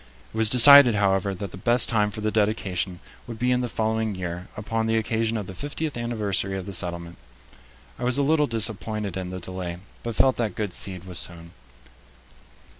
It was decided, however, that the best time for the dedication would be in the following year, upon the occasion of the fiftieth anniversary of the settlement. I was a little disappointed in the delay, but felt that good seed was sown.